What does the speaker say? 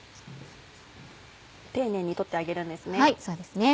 丁寧に取ってあげるんですね。